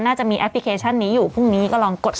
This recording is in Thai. จะมีแอปพลิเคชันนี้อยู่พรุ่งนี้ก็ลองกด